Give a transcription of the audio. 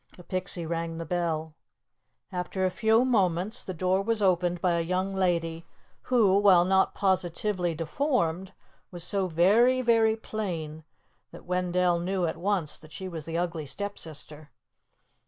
The Pixie rang the bell. After a few moments, the door was opened by a young lady, who, while not positively deformed, was so very, very plain, that Wendell knew at once that she was the Ugly Stepsister.